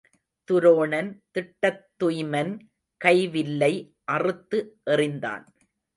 துரோணன் திட்டத்துய்மன் கை வில்லை அறுத்து எறிந்தான்.